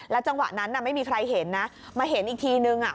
จังหวะนั้นไม่มีใครเห็นนะมาเห็นอีกทีนึง